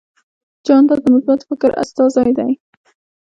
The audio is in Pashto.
جانداد د مثبت فکر استازی دی.